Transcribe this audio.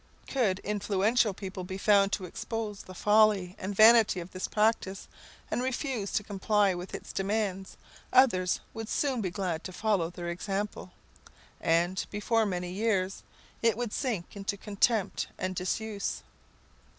Could influential people be found to expose the folly and vanity of this practice, and refuse to comply with its demands, others would soon be glad to follow their example, and, before many years, it would sink into contempt and disuse.